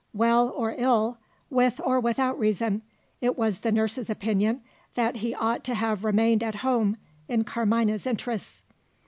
Well or ill, with or without reason, it was the nurse's opinion that he ought to have remained at home, in Carmina's interests.